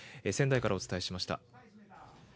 仙台からお伝えしました。